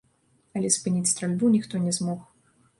Але спыніць стральбу ніхто не змог.